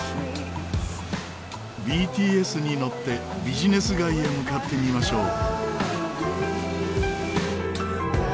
ＢＴＳに乗ってビジネス街へ向かってみましょう。